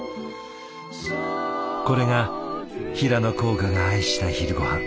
これが平野甲賀が愛した昼ごはん。